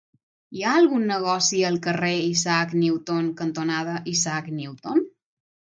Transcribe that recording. Hi ha algun negoci al carrer Isaac Newton cantonada Isaac Newton?